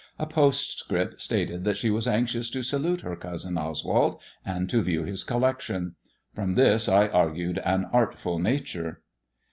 A post* script stated that she was anxious to salute her cousin Oswald, and to view his collection. From this I argued an artful nature.